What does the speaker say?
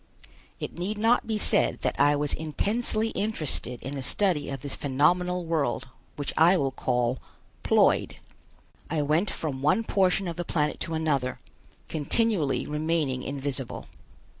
It need not be said that I was intensely interested in the study of this phenomenal world which I will call Ploid. I went from one portion of the planet to another, continually remaining invisible.